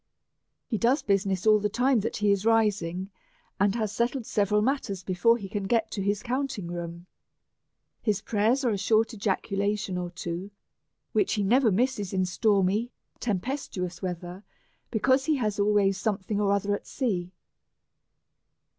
He does business ail the time that he is rising, and has settled several matters before he can get to his counting room. His prayers are a short ejaculation or two, which he never misses in stormy tempestuous weather, because he has always something or other at sea.